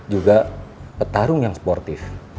juga petarung yang sportif